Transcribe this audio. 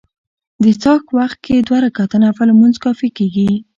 د څاښت وخت کي دوه رکعته نفل لمونځ کافي کيږي